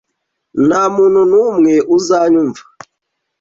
Nta muntu numwe uzanyumva.